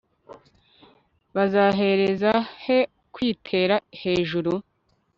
bazahereza he kwitera hejuru